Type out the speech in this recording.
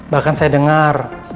bahkan saya dengar